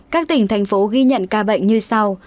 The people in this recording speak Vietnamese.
các tỉnh thành phố ghi nhận ca bệnh như sau